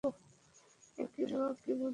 একটুও কি বুদ্ধি নেই তোমার?